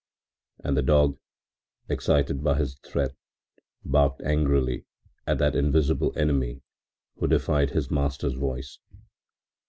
” And the dog, excited by this threat, barked angrily at that invisible enemy who defied his master's voice.